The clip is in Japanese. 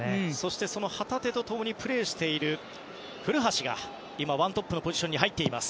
旗手と共にプレーしている古橋が１トップのポジションに入っています。